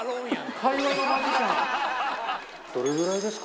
会話どれぐらいですか？